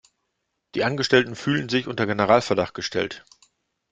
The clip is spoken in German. Die Angestellten fühlen sich unter Generalverdacht gestellt.